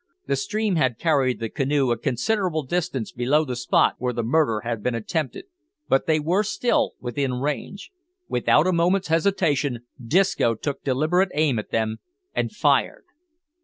The stream had carried the canoe a considerable distance below the spot where the murder had been attempted, but they were still within range. Without a moment's hesitation Disco took deliberate aim at them and fired.